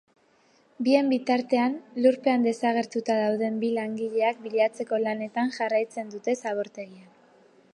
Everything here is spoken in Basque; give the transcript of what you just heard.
Bien bitartean, lurpean desagertuta dauden bi langileak bilatzeko lanetan jarraitzen dute zabortegian.